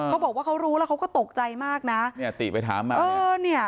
เขาบอกว่าเขารู้แล้วเขาก็ตกใจมากนะเนี่ยติไปถามมาเออเนี่ย